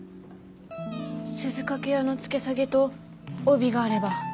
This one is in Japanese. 鈴懸屋の付け下げと帯があれば。